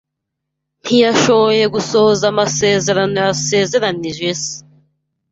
Ntiyashoboye gusohoza amasezerano yasezeranije se.